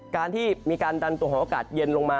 การที่มีการดันตัวของอากาศเย็นลงมา